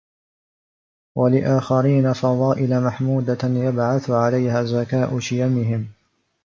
وَلِآخَرِينَ فَضَائِلَ مَحْمُودَةً يَبْعَثُ عَلَيْهَا زَكَاءُ شِيَمِهِمْ